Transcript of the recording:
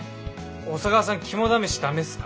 小佐川さん肝試しダメっすか？